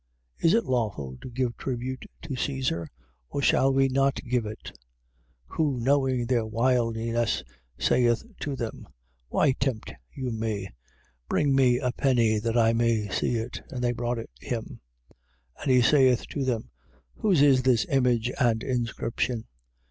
Is it lawful to give tribute to Caesar? Or shall we not give it? 12:15. Who knowing their wiliness, saith to them: Why tempt you me? Bring me a penny that I may see it. 12:16. And they brought it him. And he saith to them: Whose is this image and inscription?